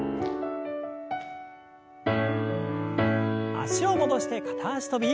脚を戻して片脚跳び。